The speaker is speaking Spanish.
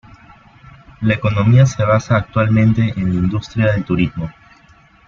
La economía se basa actualmente en la industria del turismo.